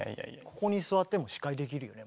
ここに座っても司会できるよね